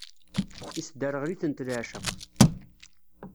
Isderɣel-itent leεceq.